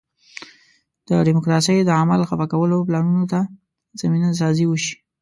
د ډیموکراسۍ د عمل خفه کولو پلانونو ته زمینه سازي وشي.